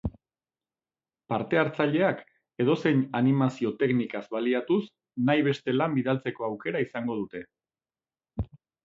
Parte hartzaileak edozein animazio teknikaz baliatuz nahi beste lan bidaltzeko aukera izango dute.